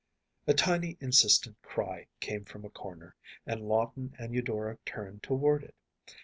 A tiny, insistent cry came from a corner, and Lawton and Eudora turned toward it.